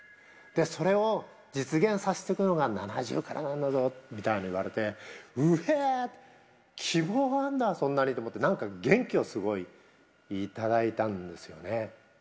それを実現させていくのが７０からなんだぞみたいに言われて、うへー、希望があるんだ、そんなにと思って、なんか元気をすごい頂いたんですよね。